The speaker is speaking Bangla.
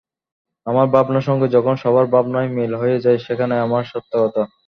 আমার ভাবনার সঙ্গে যখন সবার ভাবনার মিল হয়ে যায়, সেখানেই আমার সার্থকতা।